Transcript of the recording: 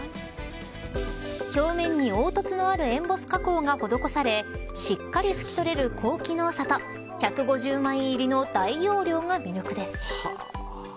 表面に凹凸のあるエンボス加工が施されしっかり拭き取れる高機能さと１５０枚入りの大容量が魅力です。